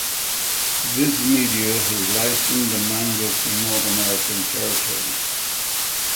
Viz Media has licensed the manga for North American territories.